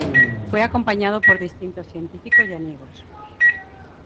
Fue acompañado por distintos científicos y amigos.